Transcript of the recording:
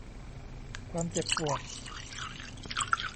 ความเจ็บปวด